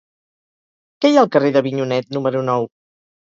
Què hi ha al carrer d'Avinyonet número nou?